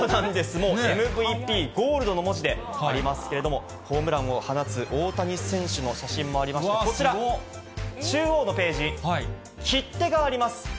もう、ＭＶＰ、ゴールドの文字でありますけれども、ホームランを放つ大谷選手も写真もありまして、こちら、中央のページ、切手があります。